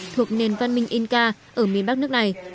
thuộc nền văn minh inca ở miền bắc nước này